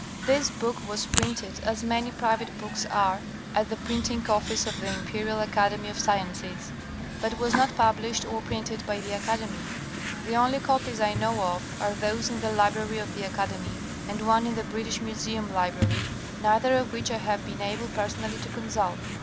This book was printed, as many private books are, at the printing office of the Imperial Academy of Sciences, but was not published or printed by the Academy. The only copies I know of are those in the library of the Academy and one in the British Museum library, neither of which I have been able personally to consult.